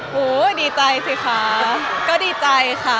โหดีใจสิคะก็ดีใจค่ะ